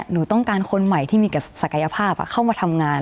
หนูต้องการคนใหม่ที่มีศักยภาพเข้ามาทำงาน